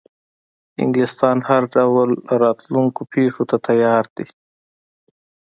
انګلیسیان هر ډول راتلونکو پیښو ته تیار دي.